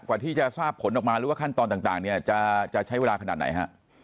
กว่าที่จะทราบผลออกมาหรือว่าขั้นตอนต่างเนี่ยจะใช้เวลาขนาดไหนฮะ